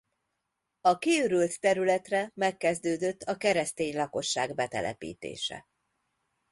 A kiürült területre megkezdődött a keresztény lakosság betelepítése.